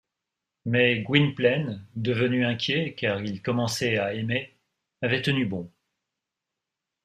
Mais Gwynplaine, devenu inquiet, car il commençait à aimer, avait tenu bon.